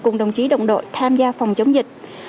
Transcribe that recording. cùng đồng chí đồng đội tham gia phòng chống dịch